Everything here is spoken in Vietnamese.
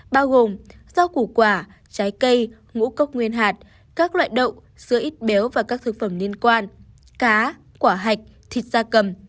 bao gồm rau củ quả trái cây ngũ cốc nguyên hạt các loại đậu sữa ít béo và các thực phẩm liên quan cá quả hạch thịt da cầm